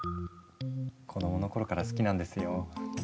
子供の頃から好きなんですよ。